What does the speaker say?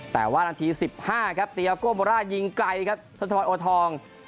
แต่ว่านาที๑๕ครับเตียโกโบร่ายิงไกลครับทศพรโอทอง